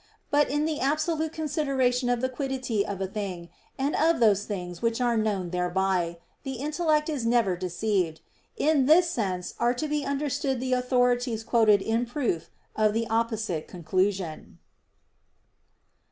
But in the absolute consideration of the quiddity of a thing, and of those things which are known thereby, the intellect is never deceived. In this sense are to be understood the authorities quoted in proof of the opposite conclusion.